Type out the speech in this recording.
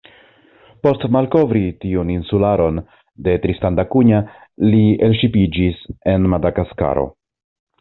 Post malkovri tiun insularon de Tristan da Cunha, li elŝipiĝis en Madagaskaro.